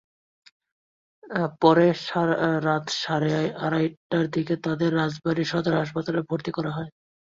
পরে রাত সাড়ে আটটার দিকে তাদের রাজবাড়ী সদর হাসপাতালে ভর্তি করা হয়।